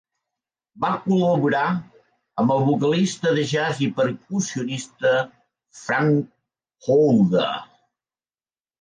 Va col·laborar amb el vocalista de jazz i percussionista Frank Holder.